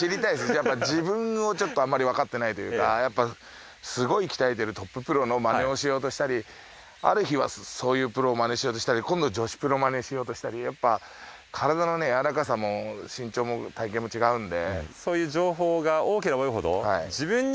やっぱ自分をちょっとあんまりわかってないというかやっぱすごい鍛えてるトッププロの真似をしようとしたりある日はそういうプロを真似しようとしたり今度女子プロ真似しようとしたりやっぱ体のねやわらかさも身長も体型も違うんで。